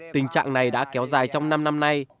tình trạng này đã kéo dài trong năm năm nay